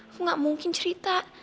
aku gak mungkin cerita